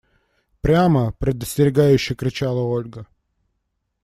– Прямо! – предостерегающе кричала Ольга.